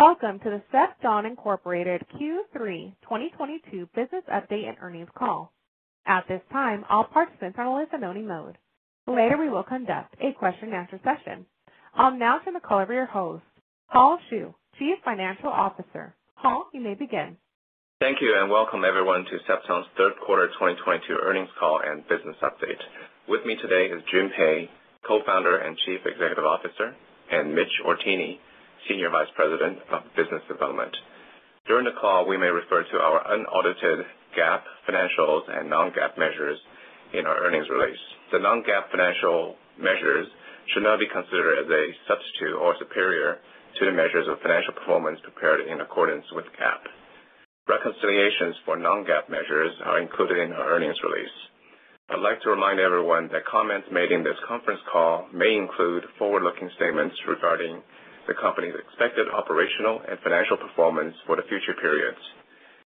Welcome to the Cepton, Inc. Q3 2022 business update and earnings call. At this time, all participants are in listen-only mode. Later, we will conduct a question and answer session. I'll now turn the call over to your host, Hull Xu, Chief Financial Officer. Hull, you may begin. Thank you, and welcome, everyone, to Cepton's third quarter 2022 earnings call and business update. With me today is Jun Pei, Co-Founder and Chief Executive Officer, and Mitch Hourtienne, Senior Vice President of Business Development. During the call, we may refer to our unaudited GAAP financials and non-GAAP measures in our earnings release. The non-GAAP financial measures should not be considered as a substitute or superior to the measures of financial performance prepared in accordance with GAAP. Reconciliations for non-GAAP measures are included in our earnings release. I'd like to remind everyone that comments made in this conference call may include forward-looking statements regarding the company's expected operational and financial performance for the future periods.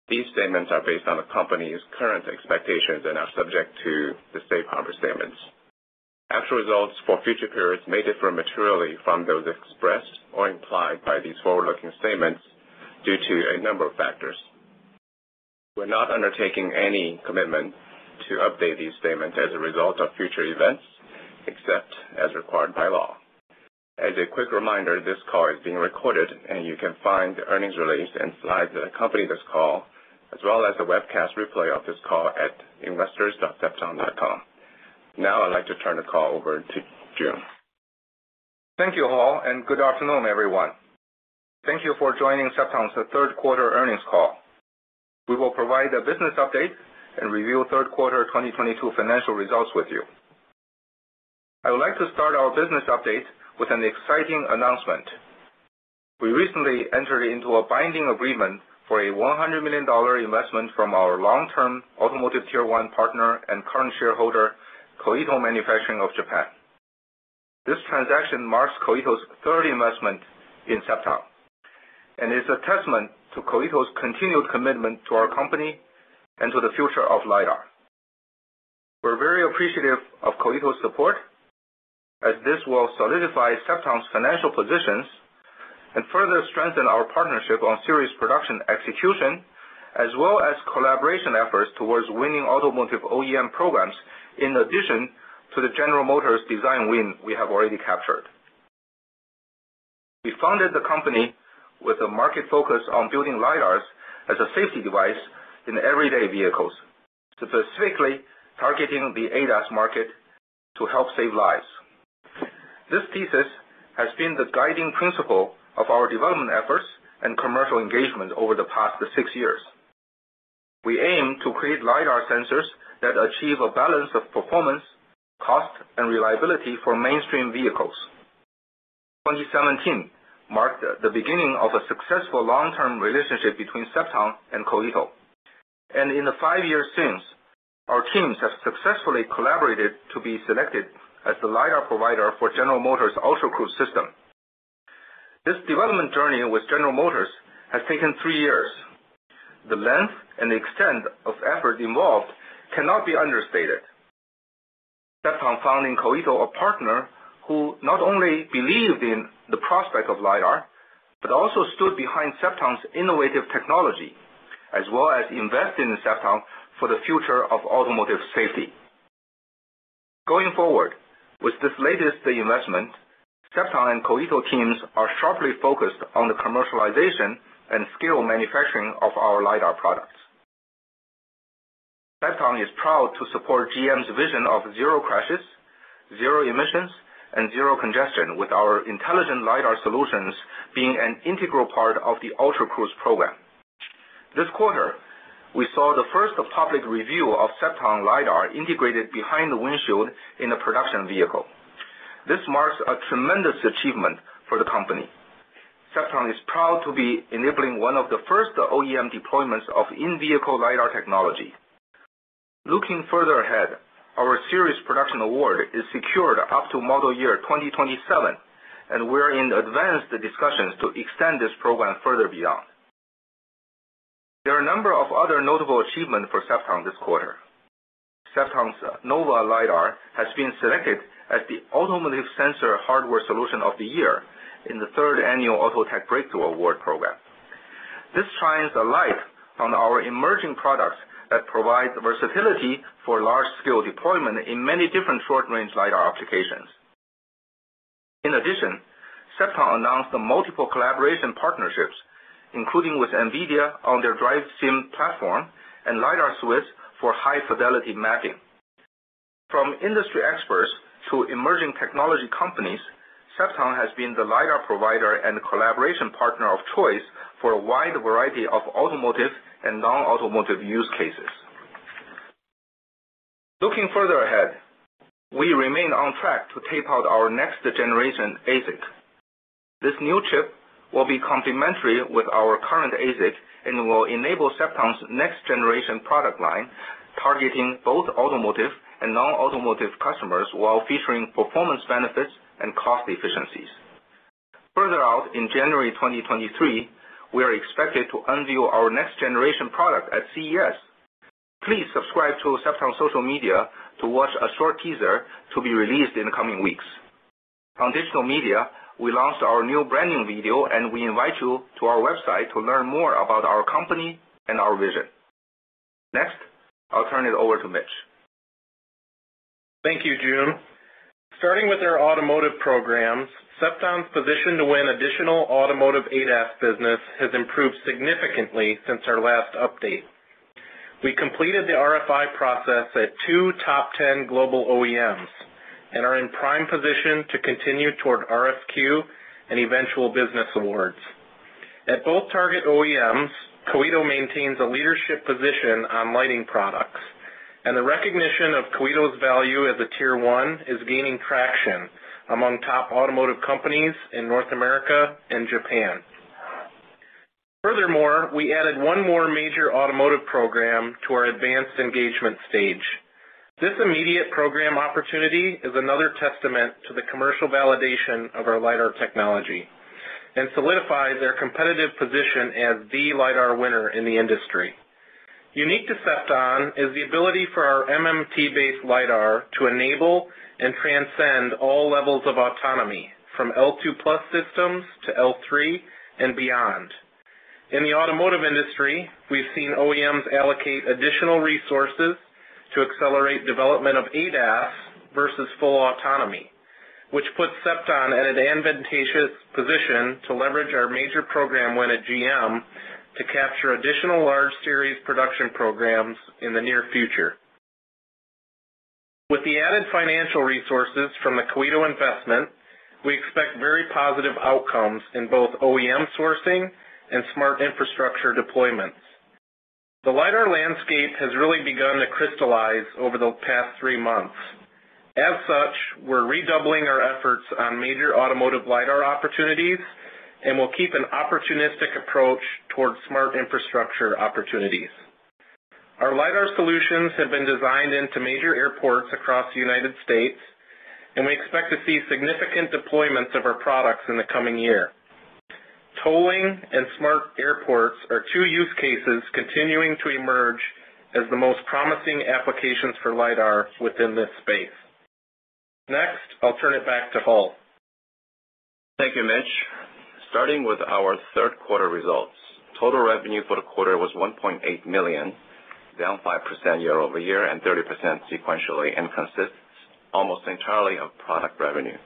These statements are based on the company's current expectations and are subject to the safe harbor statements. Actual results for future periods may differ materially from those expressed or implied by these forward-looking statements due to a number of factors. We're not undertaking any commitment to update these statements as a result of future events, except as required by law. As a quick reminder, this call is being recorded, and you can find the earnings release and slides that accompany this call, as well as a webcast replay of this call at investors.cepton.com. I'd like to turn the call over to Jun. Thank you, Hull, and good afternoon, everyone. Thank you for joining Cepton's third quarter earnings call. We will provide a business update and review third quarter 2022 financial results with you. I would like to start our business update with an exciting announcement. We recently entered into a binding agreement for a $100 million investment from our long-term automotive Tier 1 partner and current shareholder, Koito Manufacturing of Japan. This transaction marks Koito's third investment in Cepton and is a testament to Koito's continued commitment to our company and to the future of lidar. We're very appreciative of Koito's support, as this will solidify Cepton's financial positions and further strengthen our partnership on series production execution, as well as collaboration efforts towards winning automotive OEM programs, in addition to the General Motors design win we have already captured. We founded the company with a market focus on building lidar as a safety device in everyday vehicles, specifically targeting the ADAS market to help save lives. This thesis has been the guiding principle of our development efforts and commercial engagement over the past six years. We aim to create lidar sensors that achieve a balance of performance, cost, and reliability for mainstream vehicles. 2017 marked the beginning of a successful long-term relationship between Cepton and Koito. In the five years since, our teams have successfully collaborated to be selected as the lidar provider for General Motors Ultra Cruise system. This development journey with General Motors has taken three years. The length and extent of effort involved cannot be understated. Cepton found in Koito a partner who not only believed in the prospect of lidar, but also stood behind Cepton's innovative technology, as well as invest in Cepton for the future of automotive safety. Going forward, with this latest investment, Cepton and Koito teams are sharply focused on the commercialization and scale manufacturing of our lidar products. Cepton is proud to support GM's vision of zero crashes, zero emissions, and zero congestion with our intelligent lidar solutions being an integral part of the Ultra Cruise program. This quarter, we saw the first public review of Cepton lidar integrated behind the windshield in a production vehicle. This marks a tremendous achievement for the company. Cepton is proud to be enabling one of the first OEM deployments of in-vehicle lidar technology. Looking further ahead, our series production award is secured up to model year 2027, and we're in advanced discussions to extend this program further beyond. There are a number of other notable achievements for Cepton this quarter. Cepton's Nova lidar has been selected as the Automotive Sensor Hardware Solution of the Year in the third annual AutoTech Breakthrough Awards program. This shines a light on our emerging products that provide versatility for large-scale deployment in many different short-range lidar applications. In addition, Cepton announced multiple collaboration partnerships, including with NVIDIA on their DRIVE Sim platform and LidarSwiss for high-fidelity mapping. From industry experts to emerging technology companies, Cepton has been the lidar provider and collaboration partner of choice for a wide variety of automotive and non-automotive use cases. Looking further ahead, we remain on track to tape out our next generation ASIC. This new chip will be complementary with our current ASIC and will enable Cepton's next generation product line, targeting both automotive and non-automotive customers while featuring performance benefits and cost efficiencies. Further out in January 2023, we are expected to unveil our next generation product at CES. Please subscribe to Cepton's social media to watch a short teaser to be released in the coming weeks. On digital media, we launched our new branding video, and we invite you to our website to learn more about our company and our vision. Next, I'll turn it over to Mitch. Thank you, Jun. Starting with our automotive programs, Cepton's position to win additional automotive ADAS business has improved significantly since our last update. We completed the RFI process at two top 10 global OEMs and are in prime position to continue toward RFQ and eventual business awards. At both target OEMs, Koito maintains a leadership position on lighting products, and the recognition of Koito's value as a Tier 1 is gaining traction among top automotive companies in North America and Japan. Furthermore, we added one more major automotive program to our advanced engagement stage. This immediate program opportunity is another testament to the commercial validation of our lidar technology and solidifies our competitive position as the lidar winner in the industry. Unique to Cepton is the ability for our MMT-based lidar to enable and transcend all levels of autonomy from L2+ systems to L3 and beyond. In the automotive industry, we've seen OEMs allocate additional resources to accelerate development of ADAS versus full autonomy, which puts Cepton at an advantageous position to leverage our major program win at GM to capture additional large series production programs in the near future. With the added financial resources from the Koito investment, we expect very positive outcomes in both OEM sourcing and smart infrastructure deployments. The lidar landscape has really begun to crystallize over the past three months. As such, we're redoubling our efforts on major automotive lidar opportunities, and we'll keep an opportunistic approach towards smart infrastructure opportunities. Our lidar solutions have been designed into major airports across the United States, and we expect to see significant deployments of our products in the coming year. Tolling and smart airports are two use cases continuing to emerge as the most promising applications for lidar within this space. Next, I'll turn it back to Hull. Thank you, Mitch. Starting with our third quarter results. Total revenue for the quarter was $1.8 million, down 5% year-over-year and 30% sequentially, consists almost entirely of product revenue.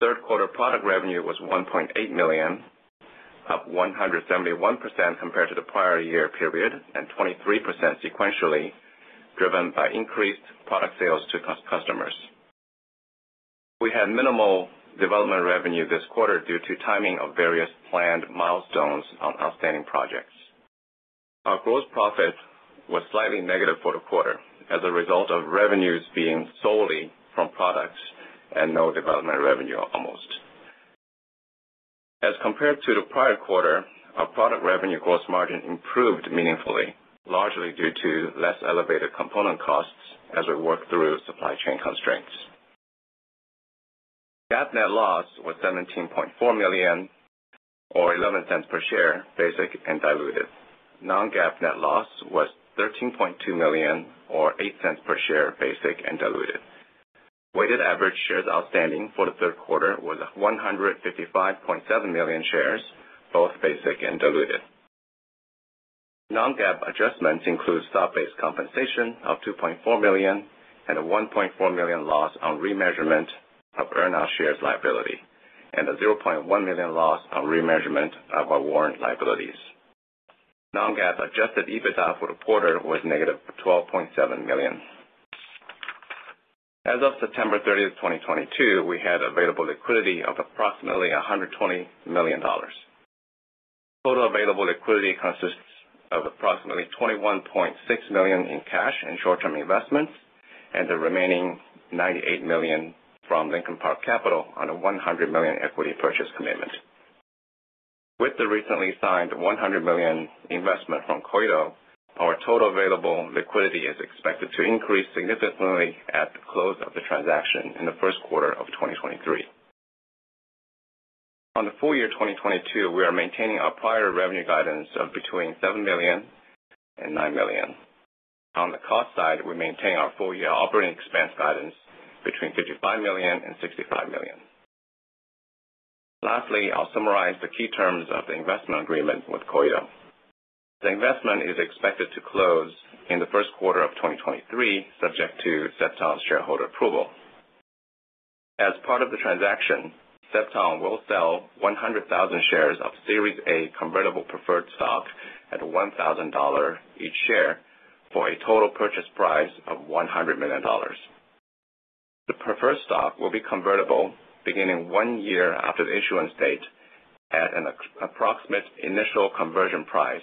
Third quarter product revenue was $1.8 million, up 171% compared to the prior year period and 23% sequentially driven by increased product sales to customers. We had minimal development revenue this quarter due to timing of various planned milestones on outstanding projects. Our gross profit was slightly negative for the quarter as a result of revenues being solely from products and no development revenue. As compared to the prior quarter, our product revenue gross margin improved meaningfully, largely due to less elevated component costs as we work through supply chain constraints. GAAP net loss was $17.4 million or $0.11 per share basic and diluted. Non-GAAP net loss was $13.2 million or $0.08 per share basic and diluted. Weighted average shares outstanding for the third quarter was 155.7 million shares, both basic and diluted. Non-GAAP adjustments include stock-based compensation of $2.4 million, a $1.4 million loss on remeasurement of earn out shares liability, a $0.1 million loss on remeasurement of our warrant liabilities. Non-GAAP adjusted EBITDA for the quarter was negative $12.7 million. As of September 30th, 2022, we had available liquidity of approximately $120 million. Total available liquidity consists of approximately $21.6 million in cash and short-term investments, the remaining $98 million from Lincoln Park Capital on a $100 million equity purchase commitment. With the recently signed $100 million investment from Koito, our total available liquidity is expected to increase significantly at the close of the transaction in the first quarter of 2023. On the full year 2022, we are maintaining our prior revenue guidance of between $7 million and $9 million. On the cost side, we maintain our full-year operating expense guidance between $55 million and $65 million. Lastly, I'll summarize the key terms of the investment agreement with Koito. The investment is expected to close in the first quarter of 2023, subject to Cepton's shareholder approval. As part of the transaction, Cepton will sell 100,000 shares of Series A convertible preferred stock at $1,000 each share for a total purchase price of $100 million. The preferred stock will be convertible beginning one year after the issuance date at an approximate initial conversion price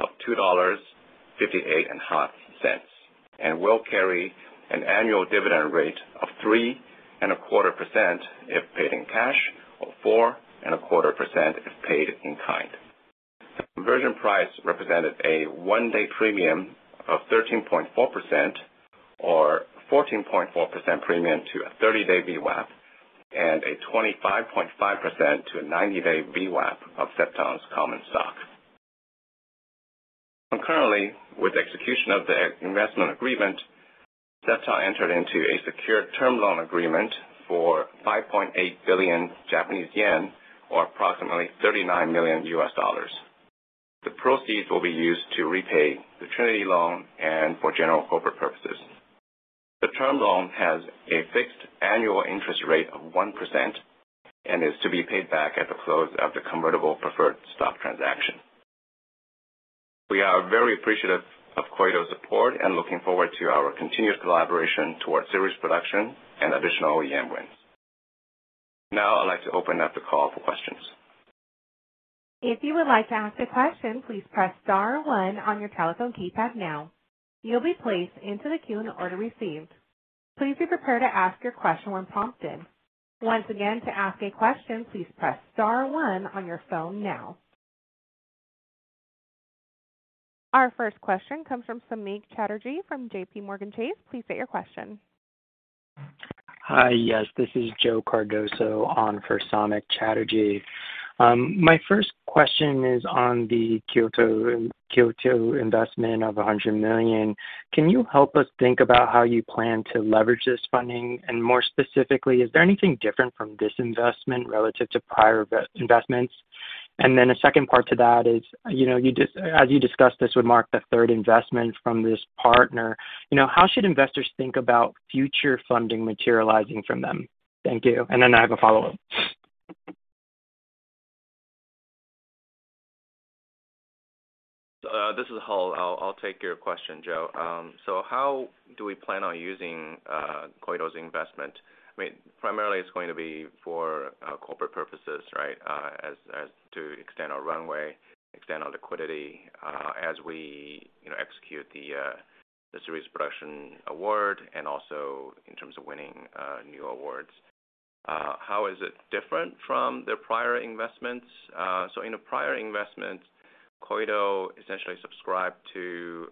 of $2.585 and will carry an annual dividend rate of 3.25% if paid in cash or 4.25% if paid in kind. The conversion price represented a one-day premium of 13.4%, 14.4% premium to a 30-day VWAP and 25.5% to a 90-day VWAP of Cepton's common stock. Concurrently, with execution of the investment agreement, Cepton entered into a secure term loan agreement for 5.8 billion Japanese yen or approximately $39 million. The proceeds will be used to repay the Trinity loan for general corporate purposes. The term loan has a fixed annual interest rate of 1% and is to be paid back at the close of the convertible preferred stock transaction. We are very appreciative of Koito's support and looking forward to our continuous collaboration towards series production and additional OEM wins. Now I'd like to open up the call for questions. If you would like to ask a question, please press star one on your telephone keypad now. You'll be placed into the queue in the order received. Please be prepared to ask your question when prompted. Once again, to ask a question, please press star one on your phone now. Our first question comes from Samik Chatterjee from JPMorgan Chase. Please state your question. Hi. Yes, this is Joe Cardoso on for Samik Chatterjee. My first question is on the Koito investment of $100 million. Can you help us think about how you plan to leverage this funding? More specifically, is there anything different from this investment relative to prior investments? A second part to that is, as you discussed, this would mark the third investment from this partner. How should investors think about future funding materializing from them? Thank you. I have a follow-up. This is Hull. I'll take your question, Joe. How do we plan on using Koito's investment? Primarily, it's going to be for corporate purposes, as to extend our runway, extend our liquidity as we execute the series production award, also in terms of winning new awards. How is it different from their prior investments? In the prior investments, Koito essentially subscribed to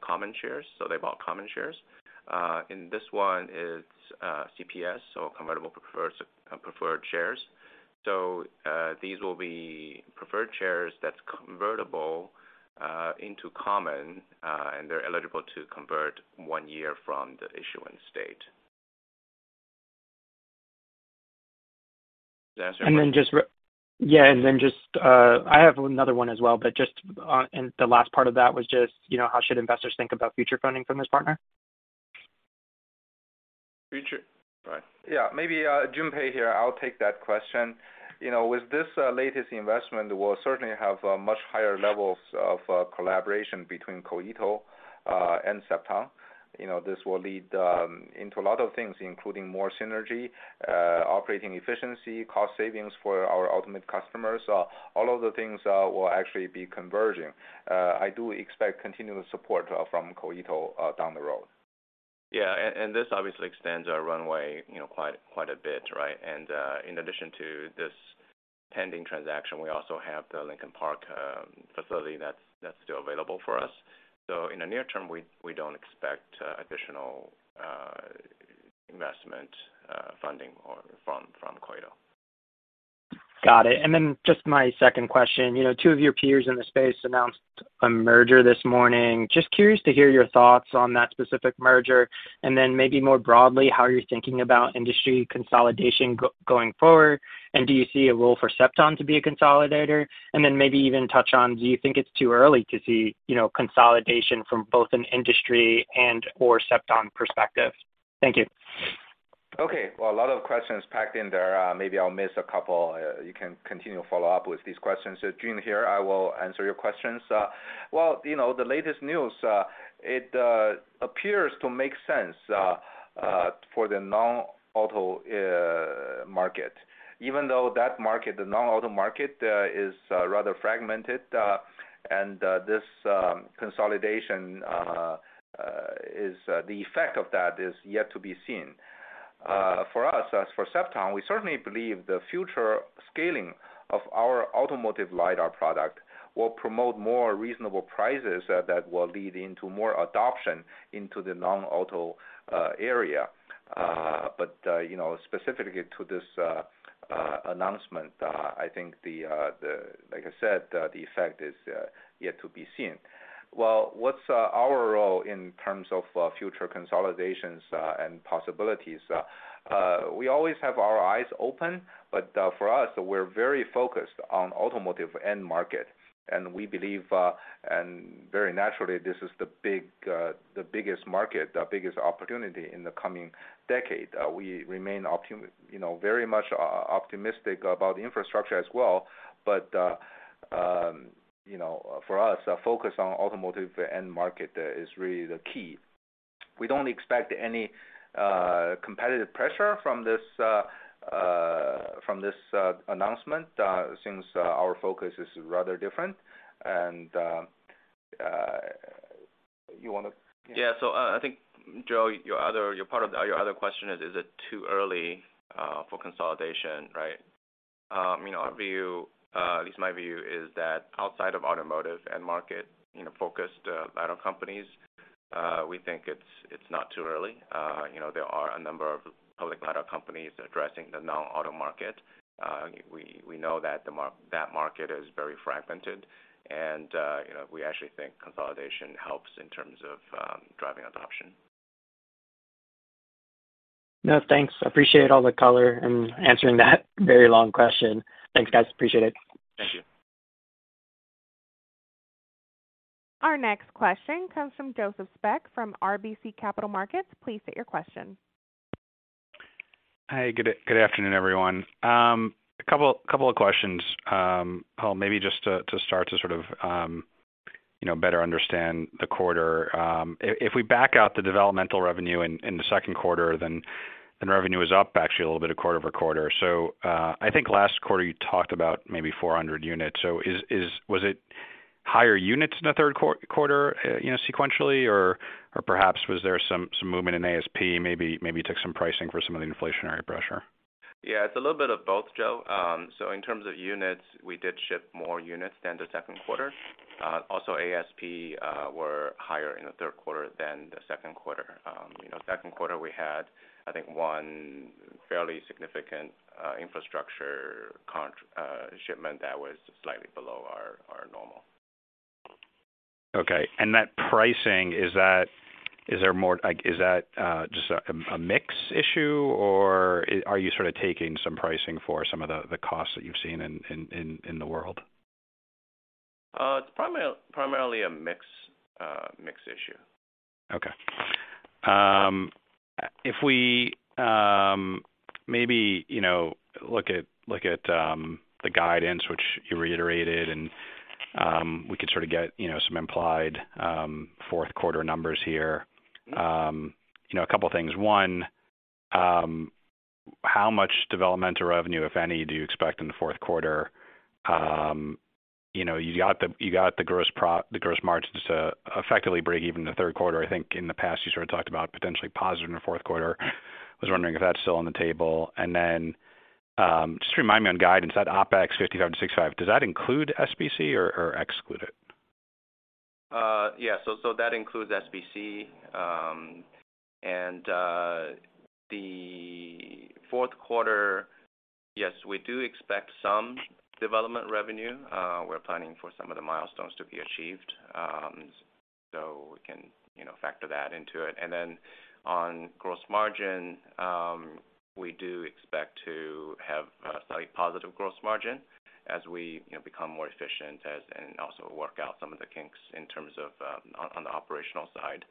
common shares, they bought common shares. In this one it's CPS, convertible preferred shares. These will be preferred shares that's convertible into common, and they're eligible to convert one year from the issuance date. Does that answer your question? Yeah. I have another one as well, the last part of that was just, how should investors think about future funding from this partner? Future, right. Yeah, maybe Jun Pei here. I'll take that question. With this latest investment, we'll certainly have much higher levels of collaboration between Koito and Cepton. This will lead into a lot of things, including more synergy, operating efficiency, cost savings for our ultimate customers. All of the things will actually be converging. I do expect continuous support from Koito down the road. Yeah, this obviously extends our runway quite a bit. In addition to this pending transaction, we also have the Lincoln Park facility that's still available for us. In the near term, we don't expect additional investment funding from Koito. Got it. Just my second question. Two of your peers in the space announced a merger this morning. Just curious to hear your thoughts on that specific merger, maybe more broadly, how you're thinking about industry consolidation going forward, do you see a role for Cepton to be a consolidator? Maybe even touch on, do you think it's too early to see consolidation from both an industry and/or Cepton perspective? Thank you. Okay. A lot of questions packed in there. Maybe I'll miss a couple. You can continue to follow up with these questions. Jun here. I will answer your questions. The latest news, it appears to make sense for the non-auto market. Even though that market, the non-auto market, is rather fragmented and this consolidation, the effect of that is yet to be seen. For us, as for Cepton, we certainly believe the future scaling of our automotive lidar product will promote more reasonable prices that will lead into more adoption into the non-auto area. Specifically to this announcement, I think, like I said, the effect is yet to be seen. What's our role in terms of future consolidations and possibilities? We always have our eyes open, but for us, we're very focused on automotive end market, and we believe, and very naturally, this is the biggest market, the biggest opportunity in the coming decade. We remain very much optimistic about infrastructure as well. For us, our focus on automotive end market is really the key. We don't expect any competitive pressure from this announcement since our focus is rather different. You want to? Yeah. I think, Joe, your other question is it too early for consolidation, right? Our view, at least my view, is that outside of automotive end market focused lidar companies, we think it's not too early. There are a number of public lidar companies addressing the non-auto market. We know that market is very fragmented and we actually think consolidation helps in terms of driving adoption. No, thanks. Appreciate all the color in answering that very long question. Thanks, guys. Appreciate it. Thank you. Our next question comes from Joseph Spak from RBC Capital Markets. Please state your question. Hi. Good afternoon, everyone. A couple of questions. Well, maybe just to start to better understand the quarter. If we back out the developmental revenue in the second quarter, then revenue is up actually a little bit of quarter-over-quarter. I think last quarter you talked about maybe 400 units. Was it higher units in the third quarter sequentially? Or perhaps was there some movement in ASP, maybe you took some pricing for some of the inflationary pressure? Yeah, it's a little bit of both, Joe. In terms of units, we did ship more units than the second quarter. Also, ASP were higher in the third quarter than the second quarter. Second quarter we had, I think, one fairly significant infrastructure shipment that was slightly below our normal. Okay. That pricing, is that just a mix issue, or are you taking some pricing for some of the costs that you've seen in the world? It's primarily a mix issue. Okay. We maybe look at the guidance, which you reiterated, and we could get some implied fourth quarter numbers here. A couple of things. One, how much developmental revenue, if any, do you expect in the fourth quarter? You got the gross margins to effectively break even in the third quarter. I think in the past you talked about potentially positive in the fourth quarter. I was wondering if that's still on the table. Just remind me on guidance, that OpEx $55 million to $65 million, does that include SBC or exclude it? Yeah. That includes SBC. The fourth quarter, yes, we do expect some development revenue. We're planning for some of the milestones to be achieved. We can factor that into it. On gross margin, we do expect to have a slightly positive gross margin as we become more efficient and also work out some of the kinks in terms of on the operational side,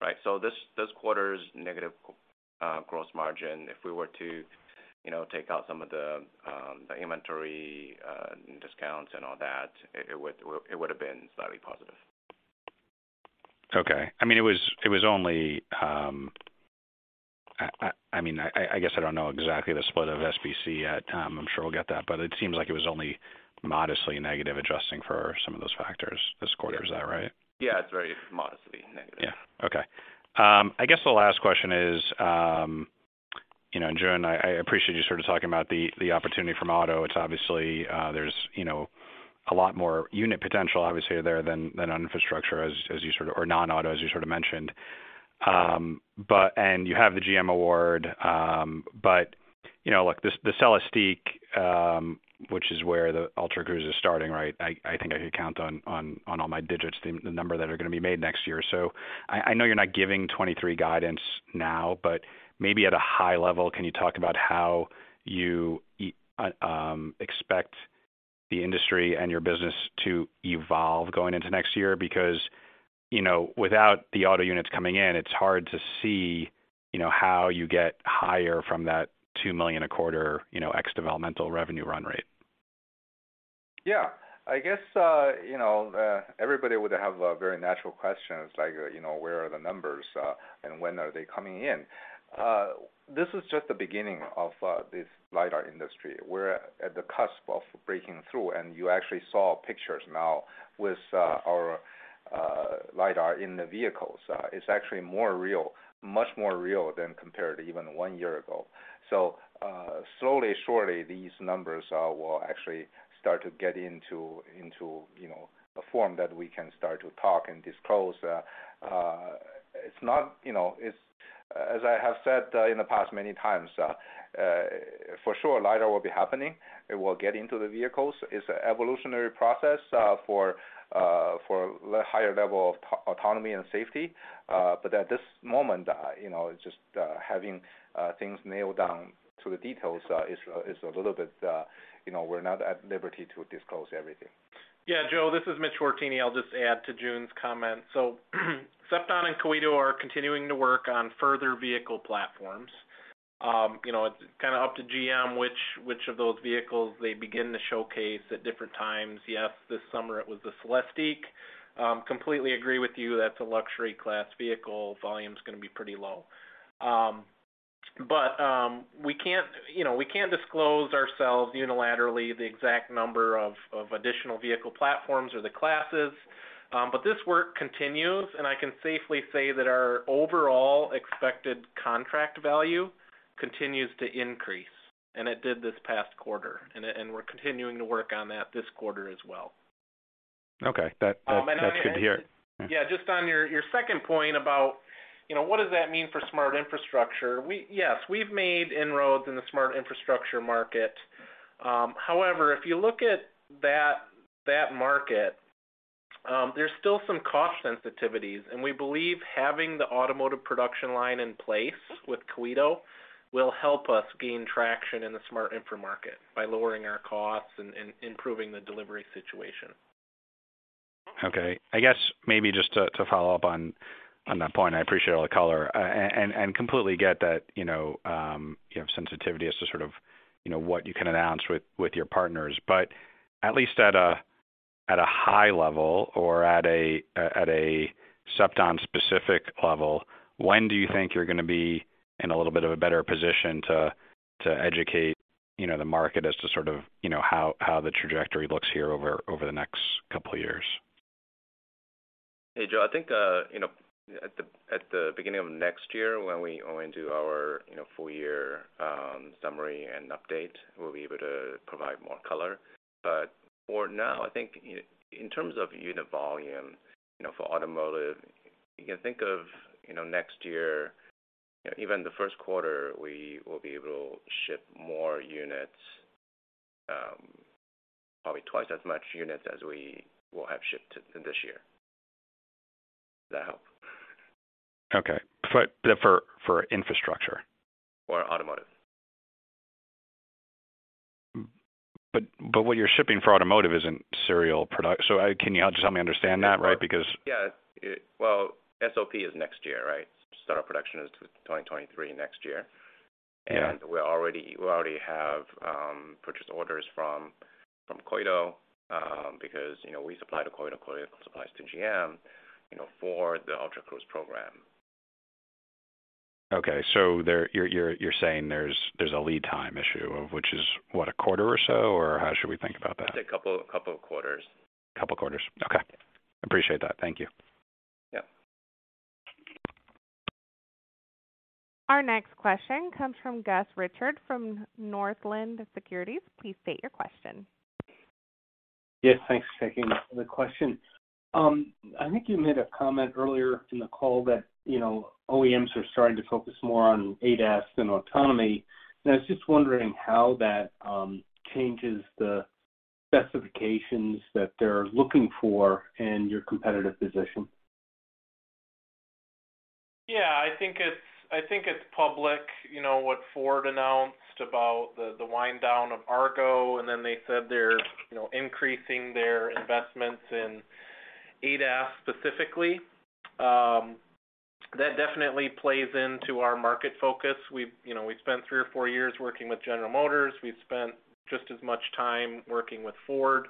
right? This quarter's negative gross margin, if we were to take out some of the inventory discounts and all that, it would have been slightly positive. Okay. I guess I don't know exactly the split of SBC yet. I'm sure we'll get that. It seems like it was only modestly negative adjusting for some of those factors this quarter. Is that right? Yeah. It's very modestly negative. Yeah. Okay. I guess the last question is, Jun, I appreciate you talking about the opportunity from auto. It's obviously there's a lot more unit potential obviously there than on infrastructure or non-auto, as you mentioned. You have the GM award. Look, the Celestiq which is where the Ultra Cruise is starting, right? I think I could count on all my digits the number that are going to be made next year. I know you're not giving 2023 guidance now, but maybe at a high level, can you talk about how you expect the industry and your business to evolve going into next year? Because, without the auto units coming in, it's hard to see how you get higher from that $2 million a quarter ex developmental revenue run rate. Yeah. I guess everybody would have a very natural question. It's like, where are the numbers and when are they coming in? This is just the beginning of this lidar industry. We're at the cusp of breaking through, you actually saw pictures now with our lidar in the vehicles. It's actually more real, much more real than compared to even one year ago. Slowly and surely these numbers will actually start to get into a form that we can start to talk and disclose. As I have said in the past many times, for sure lidar will be happening. It will get into the vehicles. It's an evolutionary process for higher level of autonomy and safety. At this moment, it's just having things nailed down to the details is a little bit, we're not at liberty to disclose everything. Joe, this is Mitch Hourtienne. I'll just add to Jun's comments. Cepton and Koito are continuing to work on further vehicle platforms. It's up to GM which of those vehicles they begin to showcase at different times. Yes, this summer it was the Celestiq. Completely agree with you, that's a luxury class vehicle. Volume's going to be pretty low. We can't disclose ourselves unilaterally the exact number of additional vehicle platforms or the classes. This work continues, I can safely say that our overall expected contract value continues to increase, it did this past quarter, and we're continuing to work on that this quarter as well. Okay. That's good to hear. Yeah. Just on your second point about what does that mean for smart infrastructure? Yes, we've made inroads in the smart infrastructure market. However, if you look at that market, there's still some cost sensitivities, and we believe having the automotive production line in place with Koito will help us gain traction in the smart infra market by lowering our costs and improving the delivery situation. Okay. I guess maybe just to follow up on that point, I appreciate all the color and completely get that you have sensitivity as to sort of what you can announce with your partners. At least at a high level or at a Cepton-specific level, when do you think you're going to be in a little bit of a better position to educate the market as to sort of how the trajectory looks here over the next couple of years? Hey, Joe. I think at the beginning of next year when we go into our full-year summary and update, we'll be able to provide more color. For now, I think in terms of unit volume for automotive, you can think of next year, even the first quarter, we will be able to ship more units, probably twice as much units as we will have shipped this year. Does that help? Okay. For infrastructure. For automotive. What you're shipping for automotive isn't serial product. Can you help me understand that, right? SOP is next year, right? Start of production is 2023, next year. Yeah. We already have purchase orders from Koito, because we supply to Koito supplies to GM for the Ultra Cruise program. You're saying there's a lead time issue, of which is what, a quarter or so, or how should we think about that? I'd say couple of quarters. Couple quarters. Okay. Appreciate that. Thank you. Yep. Our next question comes from Gus Richard from Northland Securities. Please state your question. Yes, thanks for taking the question. I think you made a comment earlier in the call that OEMs are starting to focus more on ADAS than autonomy, and I was just wondering how that changes the specifications that they're looking for and your competitive position. Yeah, I think it's public what Ford announced about the wind down of Argo, then they said they're increasing their investments in ADAS specifically. That definitely plays into our market focus. We've spent three or four years working with General Motors. We've spent just as much time working with Ford,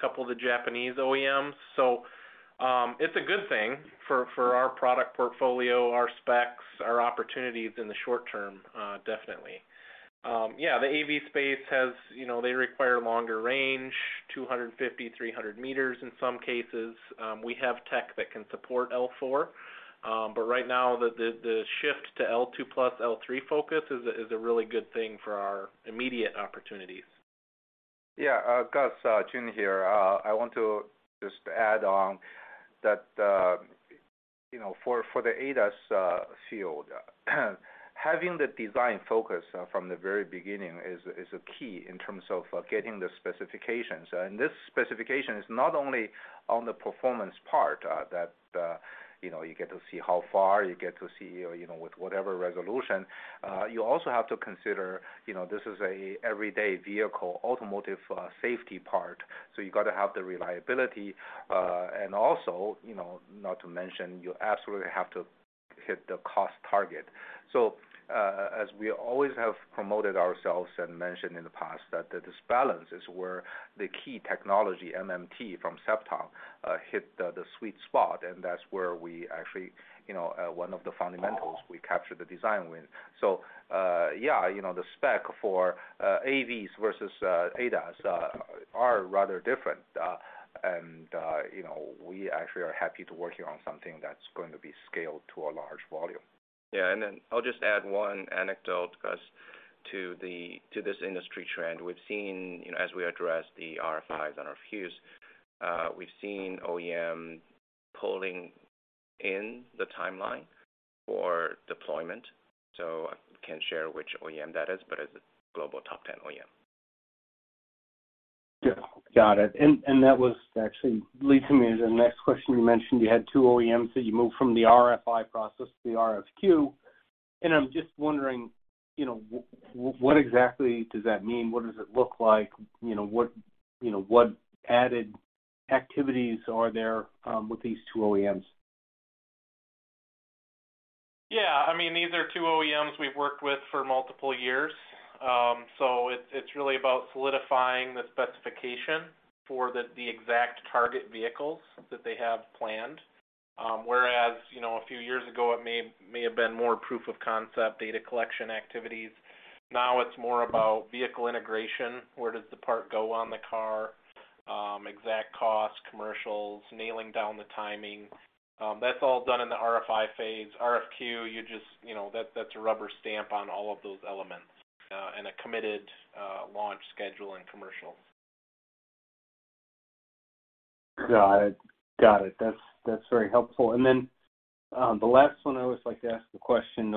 couple of the Japanese OEMs. It's a good thing for our product portfolio, our specs, our opportunities in the short term, definitely. Yeah, the AV space, they require longer range, 250, 300 meters in some cases. We have tech that can support L4, right now the shift to L2+ / L3 focus is a really good thing for our immediate opportunities. Yeah. Gus, Jun here. I want to just add on that for the ADAS field, having the design focus from the very beginning is a key in terms of getting the specifications. This specification is not only on the performance part that you get to see how far, you get to see with whatever resolution. You also have to consider this is a everyday vehicle automotive safety part, so you got to have the reliability. Also, not to mention, you absolutely have to hit the cost target. As we always have promoted ourselves and mentioned in the past, that this balance is where the key technology, MMT from Cepton, hit the sweet spot, and that's where we actually, one of the fundamentals, we capture the design win. Yeah. The spec for AVs versus ADAS are rather different. We actually are happy to work here on something that's going to be scaled to a large volume. I'll just add one anecdote, Gus Richard, to this industry trend. We've seen, as we address the RFIs and RFQs, we've seen OEM pulling in the timeline for deployment. I can't share which OEM that is, but it's a global top 10 OEM. Got it. That was actually leads me to the next question. You mentioned you had two OEMs that you moved from the RFI process to the RFQ. I'm just wondering, what exactly does that mean? What does it look like? What added activities are there with these two OEMs? These are two OEMs we've worked with for multiple years. It's really about solidifying the specification for the exact target vehicles that they have planned. Whereas, a few years ago it may have been more proof of concept data collection activities. Now it's more about vehicle integration, where does the part go on the car? Exact costs, commercials, nailing down the timing. That's all done in the RFI phase. RFQ, that's a rubber stamp on all of those elements, and a committed launch schedule and commercial. Got it. That's very helpful. The last one, I always like to ask the question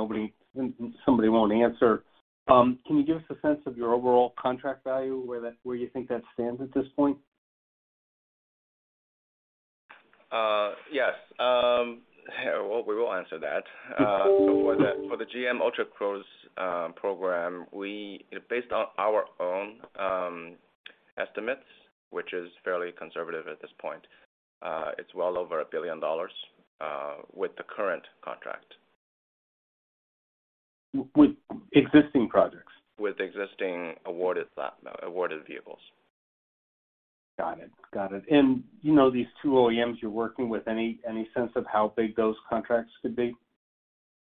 somebody won't answer. Can you give us a sense of your overall contract value, where you think that stands at this point? Yes. We will answer that. For the GM Ultra Cruise program, based on our own estimates, which is fairly conservative at this point, it's well over a billion dollars with the current contract. With existing projects? With existing awarded vehicles. Got it. You know these two OEMs you're working with, any sense of how big those contracts could be?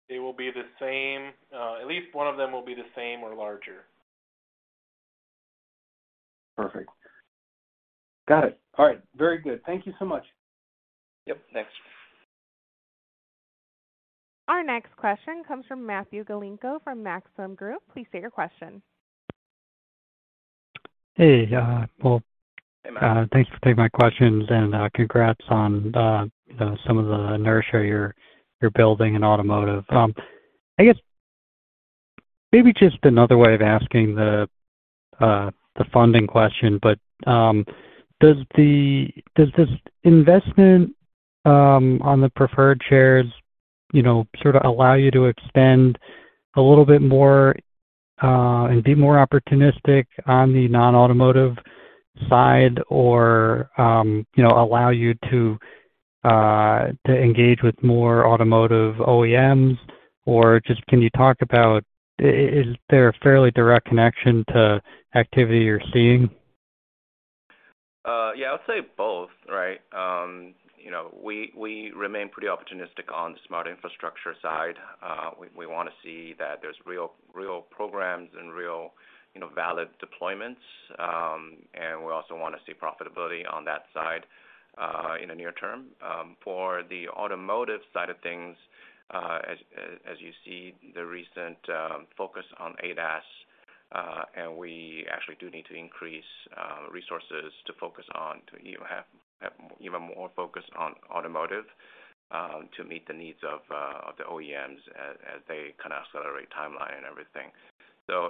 They will be the same. At least one of them will be the same or larger. Perfect. Got it. All right. Very good. Thank you so much. Yep, thanks. Our next question comes from Matthew Galinko from Maxim Group. Please state your question. Hey, Hull. Hey, Matt. Thanks for taking my questions and congrats on some of the inertia you're building in automotive. I guess maybe just another way of asking the funding question, does this investment on the preferred shares sort of allow you to expand a little bit more, and be more opportunistic on the non-automotive side or allow you to engage with more automotive OEMs, or just can you talk about, is there a fairly direct connection to activity you're seeing? Yeah, I would say both, right? We remain pretty opportunistic on the smart infrastructure side. We want to see that there's real programs and real valid deployments. We also want to see profitability on that side in the near term. For the automotive side of things, as you see, the recent focus on ADAS, and we actually do need to increase resources to have even more focus on automotive to meet the needs of the OEMs as they kind of accelerate timeline and everything.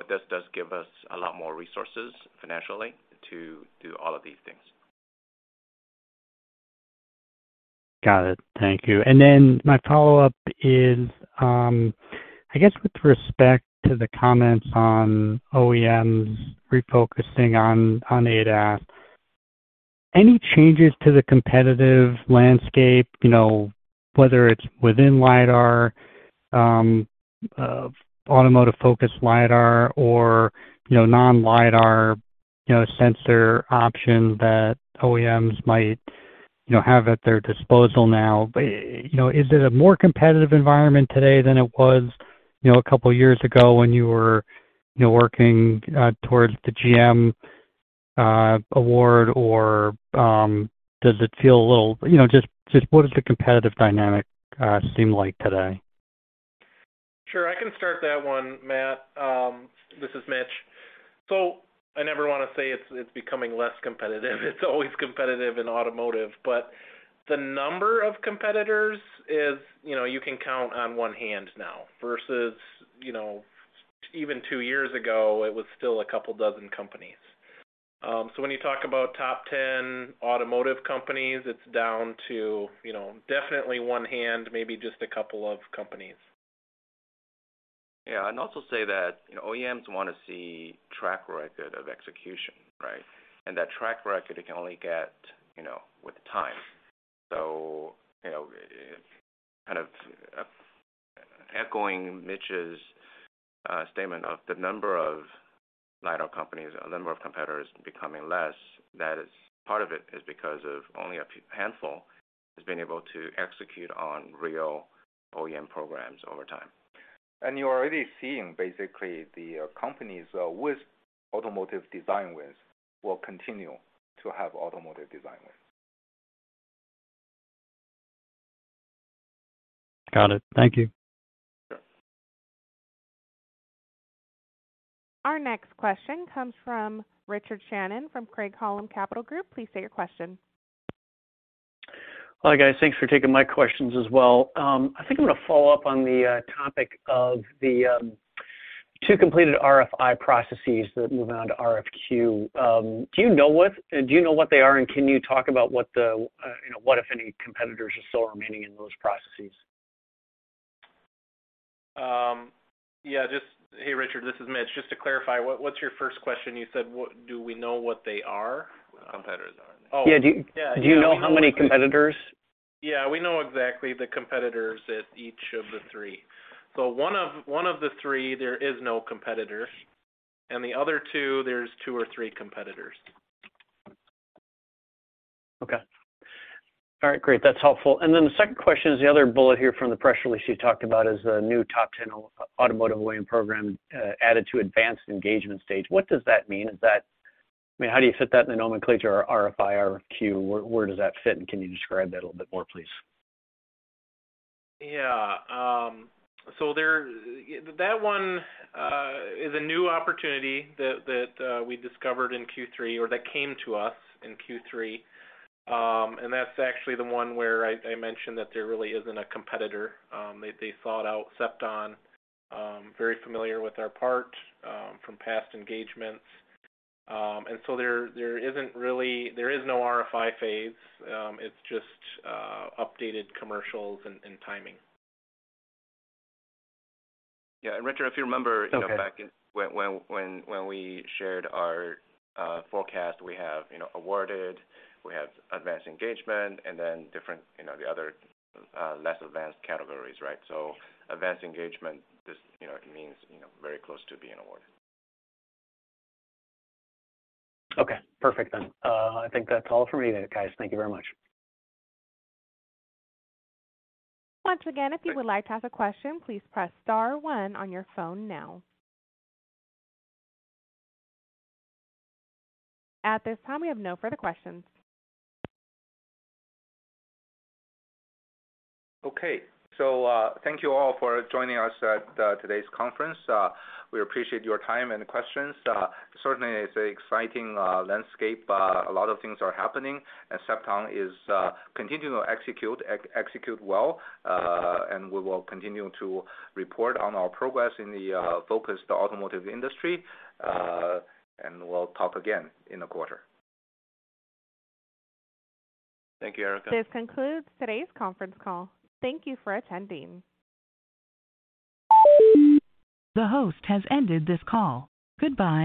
This does give us a lot more resources financially to do all of these things. Got it. Thank you. My follow-up is, I guess with respect to the comments on OEMs refocusing on ADAS, any changes to the competitive landscape, whether it's within lidar, automotive focus lidar, or non-lidar sensor option that OEMs might have at their disposal now. Is it a more competitive environment today than it was a couple of years ago when you were working towards the GM award, or does it feel Just what does the competitive dynamic seem like today? Sure, I can start that one, Matt. This is Mitch. I never want to say it's becoming less competitive. It's always competitive in automotive, but the number of competitors is, you can count on one hand now, versus even two years ago, it was still a couple dozen companies. When you talk about top 10 automotive companies, it's down to definitely one hand, maybe just a couple of companies. Yeah. I'd also say that OEMs want to see track record of execution, right? That track record, it can only get with time. Kind of echoing Mitch's statement of the number of lidar companies, the number of competitors becoming less. Part of it is because of only a handful has been able to execute on real OEM programs over time. You're already seeing basically the companies with automotive design wins will continue to have automotive design wins. Got it. Thank you. Our next question comes from Richard Shannon from Craig-Hallum Capital Group. Please state your question. Hi, guys. Thanks for taking my questions as well. I think I'm going to follow up on the topic of the two completed RFI processes that move on to RFQ. Do you know what they are, and can you talk about what, if any, competitors are still remaining in those processes? Yeah. Hey, Richard, this is Mitch. Just to clarify, what's your first question? You said, do we know what they are? What the competitors are. Yeah. Do you know how many competitors? Yeah, we know exactly the competitors at each of the three. One of the three, there is no competitor. The other two, there's two or three competitors. Okay. All right, great. That's helpful. The second question is the other bullet here from the press release you talked about is the new top 10 automotive win program added to advanced engagement stage. What does that mean? How do you fit that in the nomenclature RFI, RFQ? Where does that fit, and can you describe that a little bit more, please? Yeah. That one is a new opportunity that we discovered in Q3 or that came to us in Q3. That's actually the one where I mentioned that there really isn't a competitor. They sought out Cepton, very familiar with our part from past engagements. There is no RFI phase. It's just updated commercials and timing. Yeah. Richard, if you remember- Okay back when we shared our forecast, we have awarded, we have advanced engagement, and then the other less advanced categories, right? Advanced engagement just means very close to being awarded. Okay, perfect then. I think that's all from me then, guys. Thank you very much. Once again, if you would like to ask a question, please press star one on your phone now. At this time, we have no further questions. Okay. Thank you all for joining us at today's conference. We appreciate your time and questions. Certainly, it's an exciting landscape. A lot of things are happening, Cepton is continuing to execute well. We will continue to report on our progress in the focus to automotive industry. We'll talk again in a quarter. Thank you, Erica. This concludes today's conference call. Thank you for attending. The host has ended this call. Goodbye.